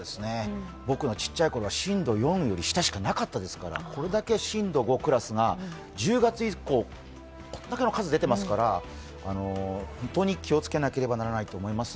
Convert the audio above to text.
僕の小さいころは震度４より小さいものしかなかったですからこれだけ震度５クラスが、１０月以降これだけの数出てますから本当に気をつけなければならないと思います。